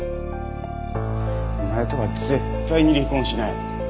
お前とは絶対に離婚しない。